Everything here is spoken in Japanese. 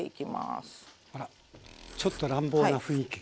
あらちょっと乱暴な雰囲気。